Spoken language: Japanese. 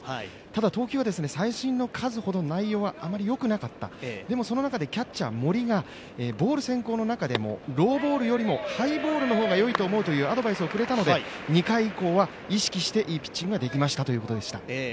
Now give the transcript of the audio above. ただ、投球は三振の数ほど内容はあまりよくなかった、その中で、キャッチャー盛りが、ボール先行の中でもローボールよりもハイボールの方が良いと思うというアドバイスをくれたので２回以降は意識して、いいピッチングができましたということでした。